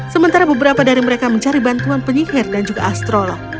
sementara beberapa dari mereka mencari bantuan penyihir dan juga astrolog